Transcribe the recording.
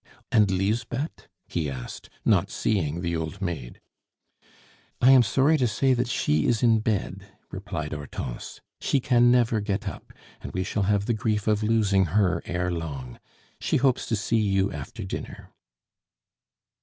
"And Lisbeth?" he asked, not seeing the old maid. "I am sorry to say that she is in bed," replied Hortense. "She can never get up, and we shall have the grief of losing her ere long. She hopes to see you after dinner."